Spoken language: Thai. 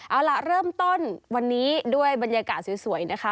เอาล่ะเริ่มต้นวันนี้ด้วยบรรยากาศสวยนะคะ